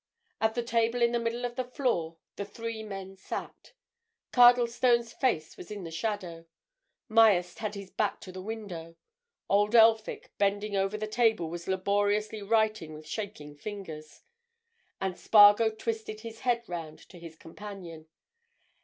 At the table in the middle of the floor the three men sat. Cardlestone's face was in the shadow; Myerst had his back to the window; old Elphick bending over the table was laboriously writing with shaking fingers. And Spargo twisted his head round to his companion.